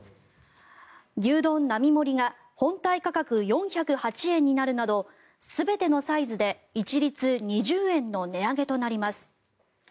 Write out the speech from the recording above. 牛丼並盛が本体価格４０８円になるなど全てのサイズで一律２０円の値上げとなります。